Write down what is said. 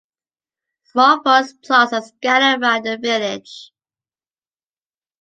Small forest plots are scattered round the village.